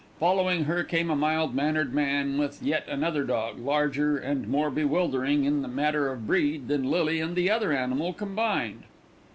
Following her came a mild mannered man with yet another dog, larger and more bewildering in the matter of breed than Lily and the other animal combined.